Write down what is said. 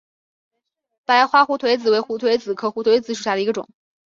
白花胡颓子为胡颓子科胡颓子属下的一个种。